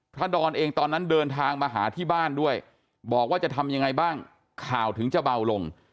ดอนเองตอนนั้นเดินทางมาหาที่บ้านด้วยบอกว่าจะทำยังไงบ้างข่าวถึงจะเบาลง